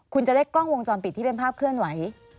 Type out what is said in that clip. คุณจะได้กล้องวงจรปิดที่เป็นภาพเคลื่อนไหว